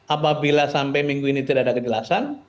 apabila sampai minggu ini tidak ada kejelasan